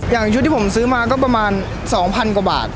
อย่างชุดที่ผมซื้อมาก็ประมาณ๒๐๐๐กว่าบาท